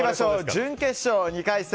準決勝２回戦